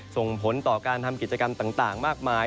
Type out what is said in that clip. ส่งผลต่อการทำกิจกรรมต่างมากมาย